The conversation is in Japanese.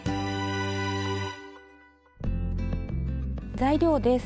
材料です。